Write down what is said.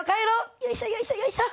よいしょよいしょよいしょ。